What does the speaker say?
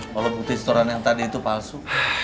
kalau putih setoran yang tadi itu palsu